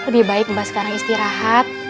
baik mbak sekarang istirahat